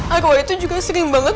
arwah itu juga sering banget